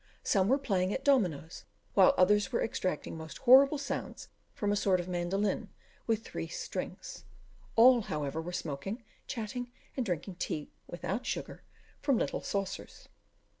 Some were playing at dominoes, while others were extracting most horrible sounds from a sort of mandolin with three strings; all, however, were smoking, chatting, and drinking tea, without sugar, from little saucers.